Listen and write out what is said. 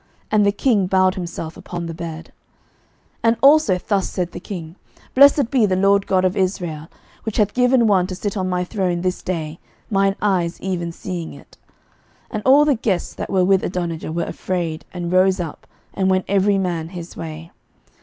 And the king bowed himself upon the bed. 11:001:048 And also thus said the king, Blessed be the LORD God of Israel, which hath given one to sit on my throne this day, mine eyes even seeing it. 11:001:049 And all the guests that were with Adonijah were afraid, and rose up, and went every man his way.